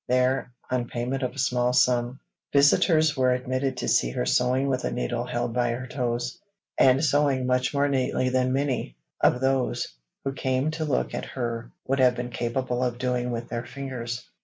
There, on payment of a small sum, visitors were admitted to see her sewing with a needle held by her toes, and sewing much more neatly than many of those who came to look at her would have been capable of doing with their fingers.